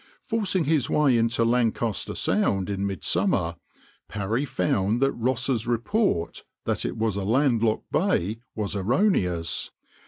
Forcing his way into Lancaster Sound in midsummer, Parry found that Ross's report that it was a landlocked bay was erroneous.